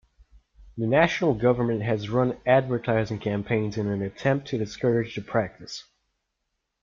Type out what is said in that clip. The national government has run advertising campaigns in an attempt to discourage the practice.